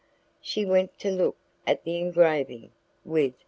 She went to look at the engraving with M.